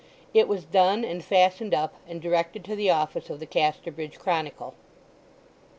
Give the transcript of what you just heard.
It was done, and fastened up, and directed to the office of the Casterbridge Chronicle.